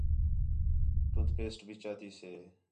ٹوٹھ پیسٹ بھی چاتی سے